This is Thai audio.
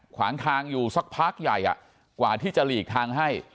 ขวางทางอยู่สักพักใหญ่กว่าที่จะหลีกทางให้